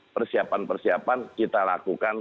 persiapan persiapan kita lakukan